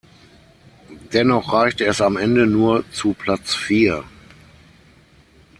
Dennoch reichte es am Ende nur zu Platz vier.